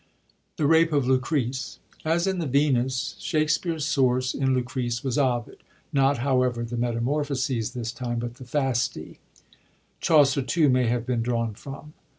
The Rape of Lucbbcb.— As in the VemLS, Shak spere's source in I/ucrece was Ovid — not, however, the Metamorphoses this time, but the FasH, Chaucer, too, may have been drawn from.